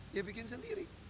dia bikin sendiri